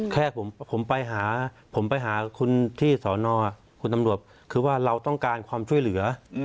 แค่ผมไปหาผมไปหาคุณที่สอนอคุณตำรวจคือว่าเราต้องการความช่วยเหลือ